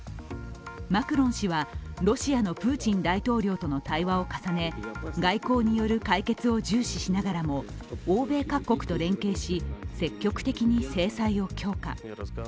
マクロン氏はロシアのプーチン大統領との対話を重ね外交による解決を重視しながらも欧米各国と連携し、積極的に制裁を強化。